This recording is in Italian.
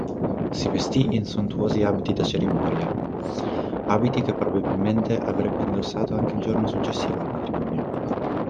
Si vestì in sontuosi abiti da cerimonia, abiti che probabilmente avrebbe indossato anche il giorno successivo al matrimonio.